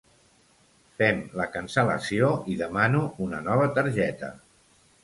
Fem la cancel·lació i demano una nova targeta.